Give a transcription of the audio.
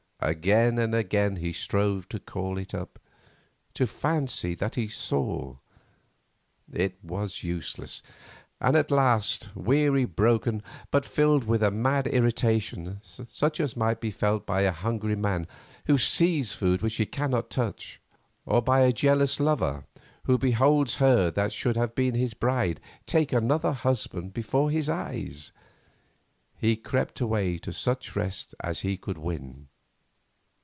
Again and again he strove to call it up—to fancy that he saw. It was useless, and at last, weary, broken, but filled with a mad irritation such as might be felt by a hungry man who sees food which he cannot touch, or by a jealous lover who beholds her that should have been his bride take another husband before his eyes, he crept away to such rest as he could win.